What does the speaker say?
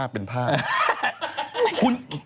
เป็นภาพ